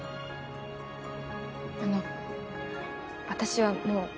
あの私はもう。